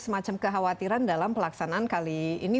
semacam kekhawatiran dalam pelaksanaan kali ini